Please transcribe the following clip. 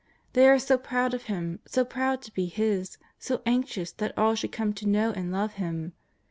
They are so proud of Him, so proud to be His, so anxious that all should come to know and love Him.